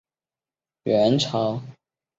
元朝至元十四年升池州为池州路。